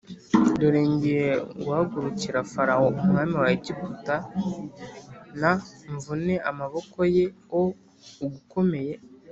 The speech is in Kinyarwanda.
dore ngiye guhagurukira Farawo umwami wa Egiputa n mvune amaboko ye o ugukomeye